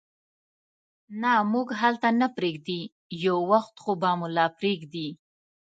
نه، موږ هلته نه پرېږدي، یو وخت خو به مو لا پرېږدي.